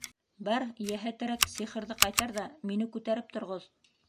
Бар, йәһәтерәк, сихырҙы ҡайтар ҙа мине күтәреп торғоҙ.